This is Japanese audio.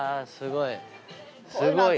すごい。